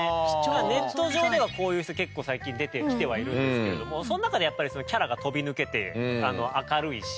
ネット上ではこういう人結構最近出てきてはいるんですけどもその中でキャラが飛び抜けて明るいし。